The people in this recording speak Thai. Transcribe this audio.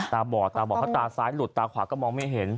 บอดตาบอดเขาตาซ้ายหลุดตาขวาก็มองไม่เห็น